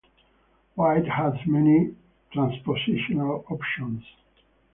White has many transpositional options.